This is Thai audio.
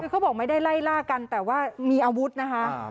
คือเขาบอกไม่ได้ไล่ล่ากันแต่ว่ามีอาวุธนะคะ